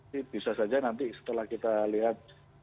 ini bisa saja nanti setelah kita lihat